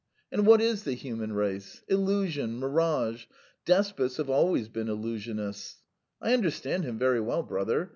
... And what is the human race? Illusion, mirage ... despots have always been illusionists. I understand him very well, brother.